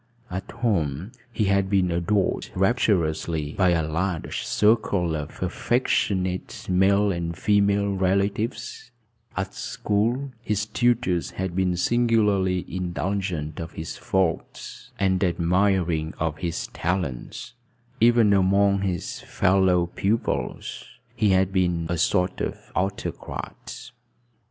At home he had been adored rapturously by a large circle of affectionate male and female relatives; at school his tutors had been singularly indulgent of his faults and admiring of his talents; even among his fellow pupils he had been a sort of autocrat.